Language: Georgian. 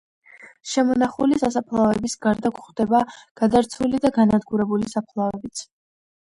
შემონახული სასაფლაოების გარდა გვხვდება გაძარცვული და განადგურებული საფლავებიც.